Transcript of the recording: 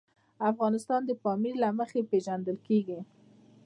افغانستان د پامیر له مخې پېژندل کېږي.